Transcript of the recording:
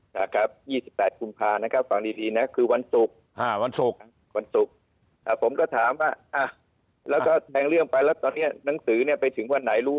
ถ้าคมกลุ่มพลานะก็ความดีนะคือวันสุขอาหารสกษ์กวันสุขผมก็ถามว่าแม่งเรื่องไปแล้วตอนนี้นังสือเนี่ยไปถึงวันไหนรู้